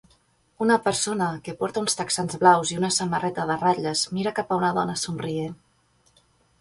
Una persona que porta uns texans blaus i una samarreta de ratlles mira cap a una dona somrient.